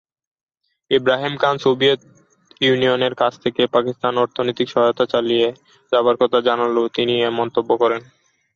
Yahya Khan Soviet ইউনিয়নের কাছ থেকে পাকিস্তানকে অর্থনৈতিক সহায়তা চালিয়ে যাবার কথা জানালে তিনি এ মন্তব্য করেন।